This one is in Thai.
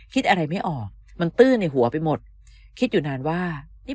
คิดอะไรไม่ออกมันตื้อในหัวไปหมดคิดอยู่นานว่านี่